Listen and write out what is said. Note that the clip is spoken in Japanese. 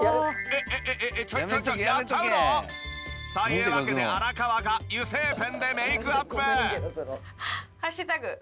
えっえっえっえっちょっちょっやっちゃうの？というわけで荒川が油性ペンでメイクアップ。